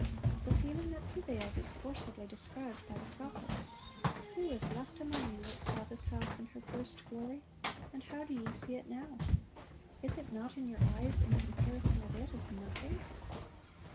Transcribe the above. The feeling that prevailed is forcibly described by the prophet: "Who is left among you that saw this house in her first glory? and how do ye see it now? is it not in your eyes in comparison of it as nothing?"